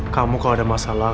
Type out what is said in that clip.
kamu kalau ada masalah